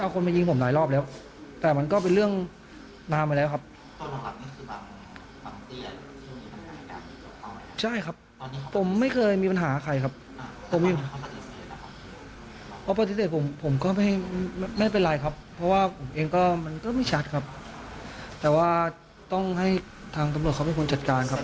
เขาปฏิเสธผมผมก็ไม่ไม่เป็นไรครับเพราะว่าผมเองก็มันก็ไม่ชัดครับแต่ว่าต้องให้ทางตำรวจเขาเป็นคนจัดการครับ